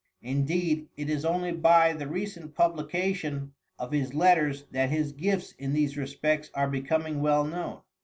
Indeed, it is only by the recent publication of his letters that his gifts in these respects are becoming well known.